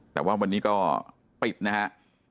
แต่ว่าวันนี้ก็ปิดนะฮะ